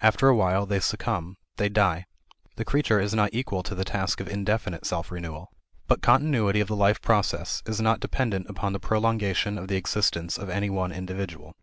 After a while they succumb; they die. The creature is not equal to the task of indefinite self renewal. But continuity of the life process is not dependent upon the prolongation of the existence of any one individual.